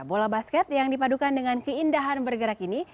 bola basket yang dipadukan dengan keindahan bergerak ini